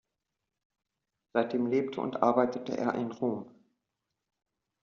Seitdem lebte und arbeitete er in Rom.